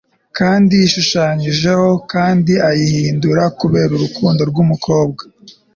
Kandi yishushanyijeho kandi ayihindura kubera urukundo rwumukobwa